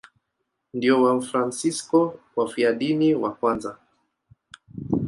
Ndio Wafransisko wafiadini wa kwanza.